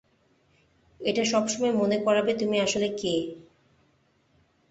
এটা সব সময় মনে করাবে তুমি আসলে কে।